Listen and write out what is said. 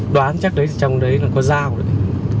đoán chắc đấy trong đấy là có dao đấy